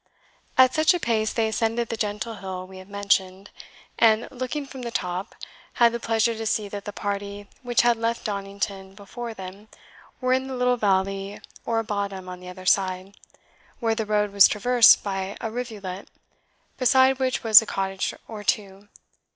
At such a pace they ascended the gentle hill we have mentioned, and looking from the top, had the pleasure to see that the party which had left Donnington before them were in the little valley or bottom on the other side, where the road was traversed by a rivulet, beside which was a cottage or two.